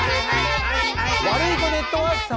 ワルイコネットワーク様。